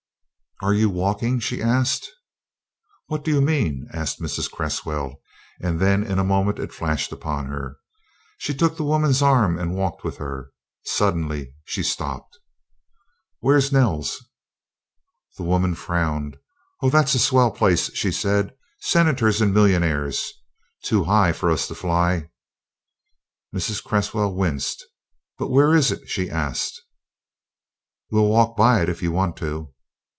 "Are you walking?" she asked. "What do you mean?" asked Mrs. Cresswell, and then in a moment it flashed upon her. She took the woman's arm and walked with her. Suddenly she stopped. "Where's Nell's?" The woman frowned. "Oh, that's a swell place," she said. "Senators and millionaires. Too high for us to fly." Mrs. Cresswell winced. "But where is it?" she asked. "We'll walk by it if you want to."